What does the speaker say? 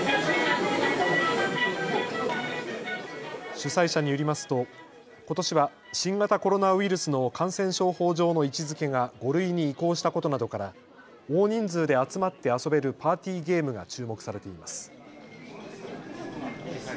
主催者によりますとことしは新型コロナの感染症法上の位置づけが５類に移行したことなどから大人数で集まって遊べるパーティーゲームが注目されています。